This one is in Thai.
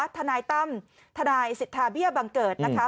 ธนายตั้มธนายสิทธาบิญญาณบังเกิดนะคะ